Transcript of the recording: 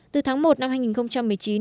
từ tháng một năm hai nghìn một mươi chín